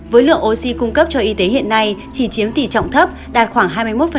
với lượng oxy cung cấp cho y tế hiện nay chỉ chiếm tỷ trọng thấp đạt khoảng hai mươi một